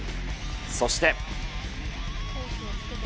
そして。